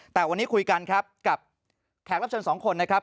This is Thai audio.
แต่วันนี้คุยกันครับกับแขกรับเชิญสองคนนะครับ